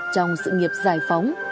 trong sự nghiệp giải phóng